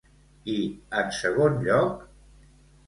I en segon lloc?